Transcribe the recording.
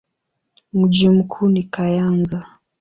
Mji mkuu ni Kayanza.